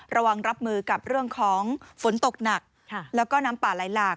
รับมือกับเรื่องของฝนตกหนักแล้วก็น้ำป่าไหลหลาก